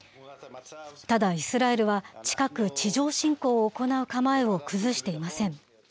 ただ、イスラエルは近く、地上侵攻を行う構えを崩していません。